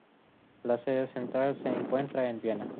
La sede central se encuentra en Viena.